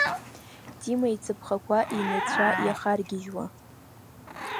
Дима ицаԥхақәа инацәа иахаргьежьуа.